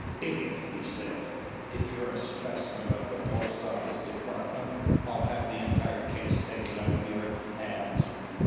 "Idiot!" he said. "If you're a specimen of the Post Office Department, I'll have the entire case taken out of your hands.